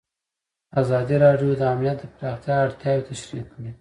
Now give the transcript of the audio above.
ازادي راډیو د امنیت د پراختیا اړتیاوې تشریح کړي.